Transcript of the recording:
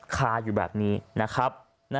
คาอยู่แบบนี้นะครับ